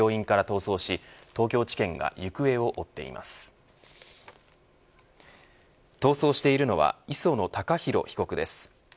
逃走しているのは磯野貴博被告です。